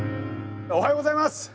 おはようございます！